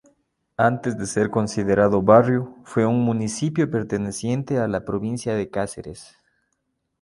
Antes de ser considerado barrio, fue un municipio perteneciente a la provincia de Cáceres.